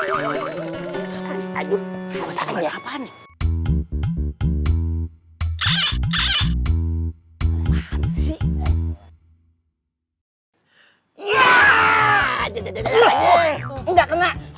enggak enggak enggak